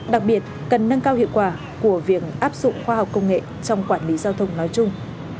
đặc biệt cần nâng cao hiệu quả của việc áp dụng khoa học công nghệ trong quản lý giao thông nói chung